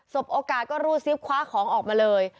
บโอกาสก็รูดซิปคว้าของออกมาเลย